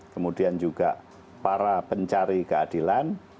kemudian juga para pencari keadilan